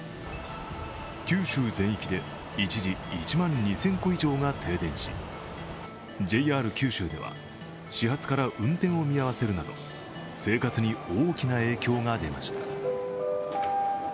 九州全域で一時１万２０００戸以上が停電しＪＲ九州では始発から運転を見合わせるなど、生活に大きな影響が出ました。